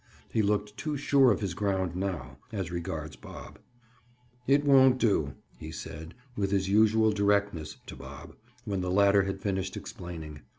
He looked too sure of his ground now, as regards Bob. "It won't do," he said with his usual directness to Bob, when the latter had finished explaining.